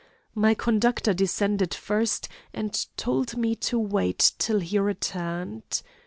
My conductor descended first, and told me to wait till he returned.